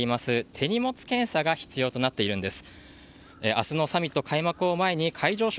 手荷物検査が必要となっているんです。